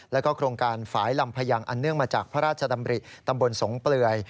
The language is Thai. แล้วก็โครงการฝ่ายลำพยางอันเนื่องมาจากพระราชดำริตำบลสงเปลือย